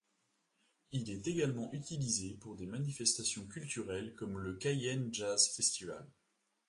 Il est également utilisé pour des manifestations culturelles comme le Kayenn jazz festival.